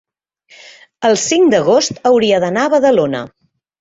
el cinc d'agost hauria d'anar a Badalona.